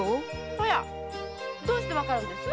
あらどうして分かるんです？